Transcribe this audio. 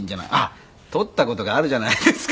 「撮った事があるじゃないですか